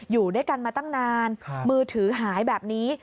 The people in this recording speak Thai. อยู่ด้วยกันมาตั้งนานมือถือหายแบบนี้